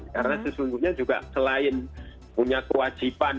karena sesungguhnya juga selain punya kewajiban